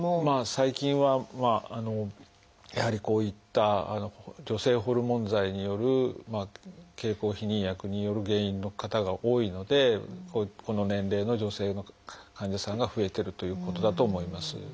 最近はやはりこういった女性ホルモン剤による経口避妊薬による原因の方が多いのでこの年齢の女性の患者さんが増えてるということだと思います。